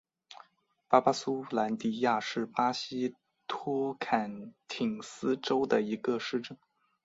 巴巴苏兰迪亚是巴西托坎廷斯州的一个市镇。